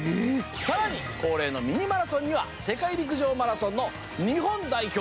更に恒例のミニマラソンの世界陸上マラソンの日本代表、